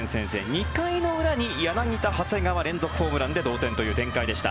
２回の裏に柳田、長谷川連続ホームランで同点という展開でした。